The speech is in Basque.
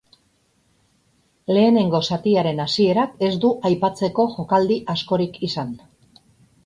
Lehenengo zatiaren hasierak ez du aipatzeko jokaldi askorik izan.